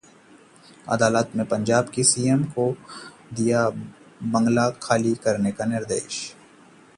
अदालत ने पंजाब के सीएम को दिया बंगला खाली करने का निर्देश